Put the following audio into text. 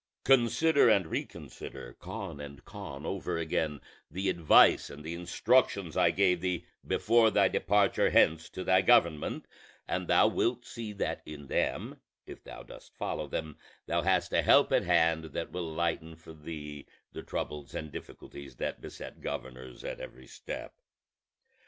Consider and reconsider, con and con over again the advice and the instructions I gave thee before thy departure hence to thy government, and thou wilt see that in them, if thou dost follow them, thou hast a help at hand that will lighten for thee the troubles and difficulties that beset governors at every step.